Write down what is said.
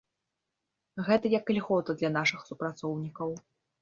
Гэта як ільгота для нашых супрацоўнікаў.